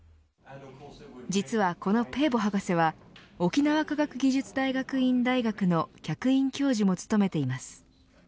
実は、このペーボ博士は沖縄科学技術大学院大学の客員教授も勤めています。